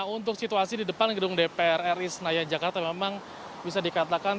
untuk situasi di depan gedung dpr ri senayan jakarta memang bisa dikatakan